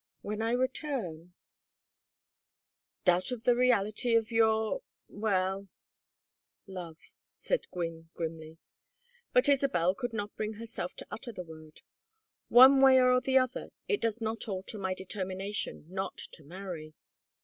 When I return " "Doubt of the reality of your well " "Love," said Gwynne, grimly. But Isabel could not bring herself to utter the word. "One way or the other, it does not alter my determination not to marry."